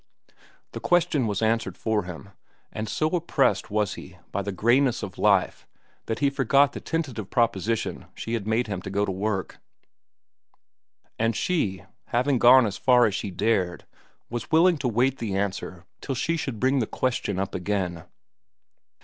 The question was answered for him, and so oppressed was he by the grayness of life that he forgot the tentative proposition she had made for him to go to work. And she, having gone as far as she dared, was willing to wait the answer till she should bring the question up again.